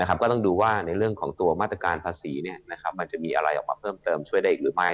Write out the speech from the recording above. ก็ต้องดูว่าในเรื่องของตัวมาตรการภาษีมันจะมีอะไรออกมาเพิ่มเติมช่วยได้อีกหรือไม่